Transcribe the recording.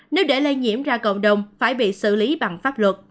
nếu để lây nhiễm ra cộng đồng phải bị xử lý bằng pháp luật